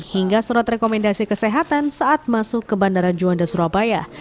hingga surat rekomendasi kesehatan saat masuk ke bandara juanda surabaya